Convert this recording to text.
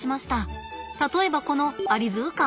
例えばこの「アリヅカ」。